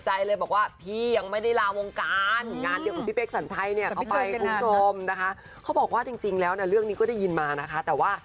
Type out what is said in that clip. ห้าคุณผู้ชมล่าสุดเจอพี่นจเขาก็เคยเปิดใจเลยบอกว่า